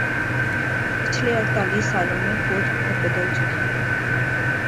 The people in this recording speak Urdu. پچھلے اڑتالیس سالوں میں فوج بہت بدل چکی ہے